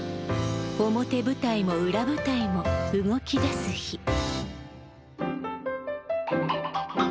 表舞台も裏舞台も動き出す日。